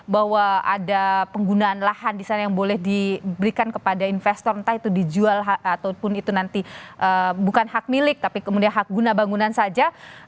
bahwa ada penggunaan lahan di sana yang boleh diberikan kepada investor entah itu dijual ataupun itu nanti bukan hak milik tapi kemudian hak guna bangunan saja